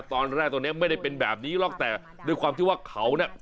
ตอนแรกตรงนี้ไม่ได้เป็นแบบนี้หรอกแต่ด้วยความที่ว่าเขาเนี่ย